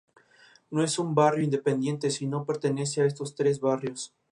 No es un barrio independiente, sino pertenece a estos tres barrios.